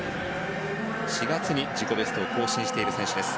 ４月に自己ベストを更新している選手です。